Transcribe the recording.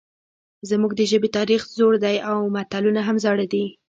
زموږ د ژبې تاریخ زوړ دی او متلونه هم زاړه دي